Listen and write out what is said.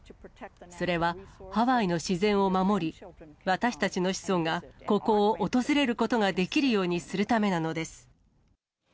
それはハワイの自然を守り、私たちの子孫がここを訪れることができるようにするためなのです。